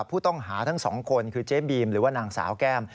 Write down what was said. ผู้ต้องหาทั้งสองคนคือเจ๊บีมหรือว่านางสาวแก้ม